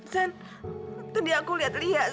zen tadi aku liat liya zen